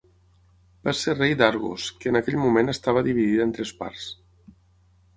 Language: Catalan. Va ser rei d'Argos, que en aquell moment estava dividida en tres parts.